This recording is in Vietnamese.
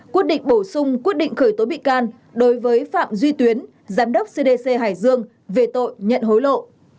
quyết định bổ sung quyết định khởi tố bị can đối với phạm duy tuyến giám đốc cdc hải dương về tội nhận hối lộ